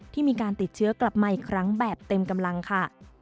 ที่มีการติดเชื้อกลับมาอีกครั้งแบบเต็มกำลังค่ะ